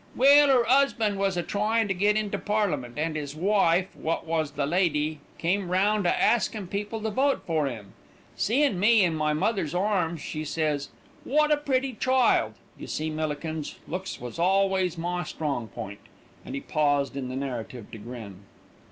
"Well, 'er 'usband was a tryin' to get into Parliament, an' 'is wife, wot was the lady, came round a askin' people to vote for 'im. Seein' me in my mother's arms, she says, 'Wot a pretty child.' You see, Millikins, looks was always my strong point," and he paused in the narrative to grin.